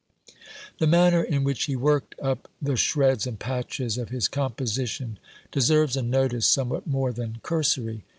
The manner in which he worked up the shreds and patches of his composition de serves a notice somewhat more than cursory.